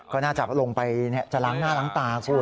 ก็น่าจะลงไปจะล้างหน้าล้างตาคุณ